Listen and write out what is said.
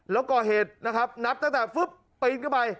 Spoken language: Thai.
แล้วก็เหตุนะครับนับตั้งแต่ปริ้นเข้าไป